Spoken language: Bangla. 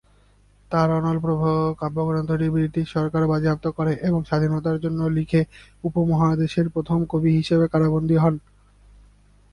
তার "অনল-প্রবাহ" কাব্যগ্রন্থটি ব্রিটিশ সরকার বাজেয়াপ্ত করে এবং স্বাধীনতার জন্য লিখে উপমহাদেশের প্রথম কবি হিসেবে কারাবন্দী হন।